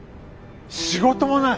仕事もない。